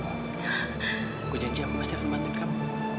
aku janji aku pasti akan mati kamu